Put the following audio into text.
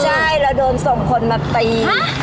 ใช่เราโดนส่งคนมาตี